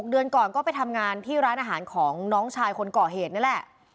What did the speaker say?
เดือนก่อนก็ไปทำงานที่ร้านอาหารของน้องชายคนก่อเหตุนี่แหละ